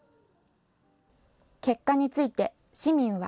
結果について市民は。